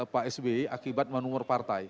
pak sby akibat manuver partai